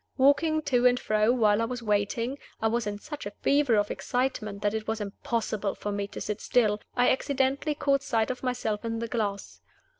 Walking to and fro while I was waiting I was in such a fever of excitement that it was impossible for me to sit still I accidentally caught sight of myself in the glass.